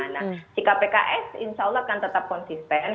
nah sikap pks insya allah akan tetap konsisten